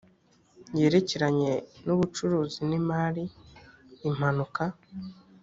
yerekeranye n ubucuruzi n imari impanuka